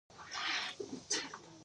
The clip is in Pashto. که سمې لارې ونیسو، بد واکمن نه حاکمېږي.